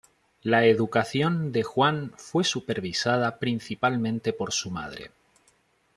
La educación de Juan fue supervisada principalmente por su madre.